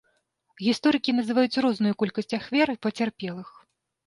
Гісторыкі называюць розную колькасць ахвяр і пацярпелых.